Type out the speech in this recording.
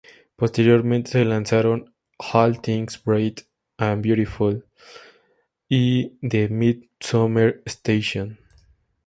Posteriormente se lanzaron "All Things Bright And Beautiful "y "The Midsummer Station.